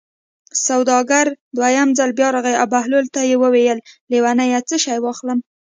سوداګر دویم ځل بیا راغی او بهلول ته یې وویل: لېونیه څه شی واخلم.